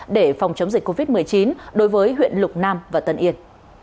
để phòng chống dịch covid một mươi chín đối với huyện lục nam và tân yên